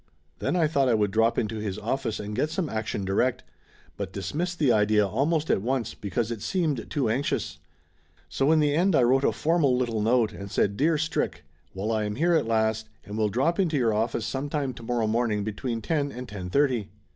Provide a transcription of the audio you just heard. Then I thought I would drop into his office and get some action direct, but dismissed the idea al most at once because it seemed too anxious. So in 80 Laughter Limited the end I wrote a formal little note and said "Dear Strick, well I am here at last and will drop into your office sometime to morrow morning between ten and ten thirty."